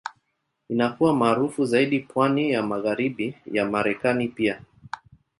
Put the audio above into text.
Inakuwa maarufu zaidi pwani ya Magharibi ya Marekani pia.